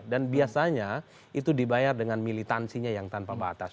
dan biasanya itu dibayar dengan militansinya yang tanpa batas